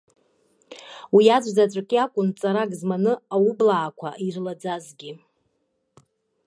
Уи аӡәзаҵәык иакәын ҵарак зманы аублаақәа ирылаӡазгьы.